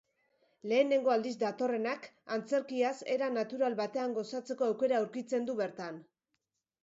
Lehenengo aldiz datorrenak antzerkiaz era natural batean gozatzeko aukera aurkitzen du bertan.